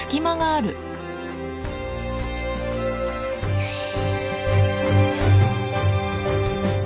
よし。